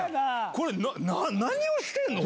これ、何をしてるの？